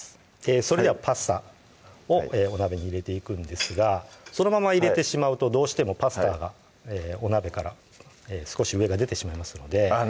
それではパスタをお鍋に入れていくんですがそのまま入れてしまうとどうしてもパスタがお鍋から少し上が出てしまいますのであぁ